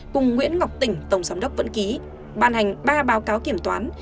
cùng nguyễn ngọc tỉnh tổng giám đốc vẫn ký ban hành ba báo cáo kiểm toán